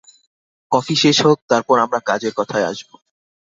Coffee শেষ হোক, তারপর আমরা কাজের কথায় আসব।